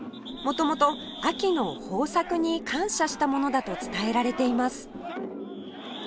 元々秋の豊作に感謝したものだと伝えられています